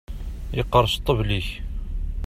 Yeqqerṣ ṭṭbel-ik.